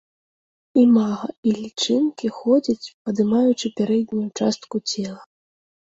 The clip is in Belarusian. Імага і лічынкі ходзяць, падымаючы пярэднюю частку цела.